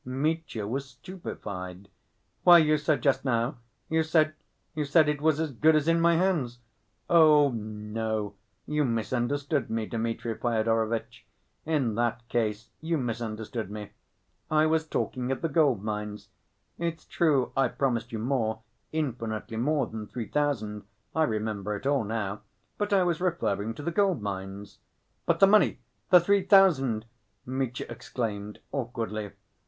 Mitya was stupefied. "Why, you said just now ... you said ... you said it was as good as in my hands—" "Oh, no, you misunderstood me, Dmitri Fyodorovitch. In that case you misunderstood me. I was talking of the gold‐mines. It's true I promised you more, infinitely more than three thousand, I remember it all now, but I was referring to the gold‐mines." "But the money? The three thousand?" Mitya exclaimed, awkwardly.